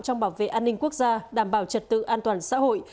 trong bảo vệ an ninh quốc gia đảm bảo trật tự an toàn xã hội